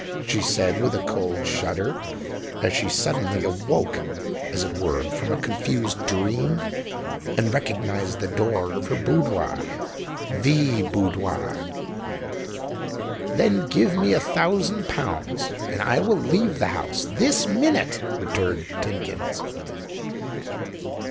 she said, with a cold shudder, as she suddenly awoke as it were from a confused dream, and recognised the door of her boudoir—the boudoir! "Then give me a thousand pounds—and I will leave the house this minute," returned Tidkins.